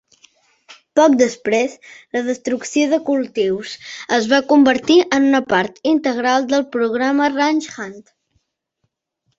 Poc després, la destrucció de cultius es va convertir en una part integral del programa "Ranch Hand".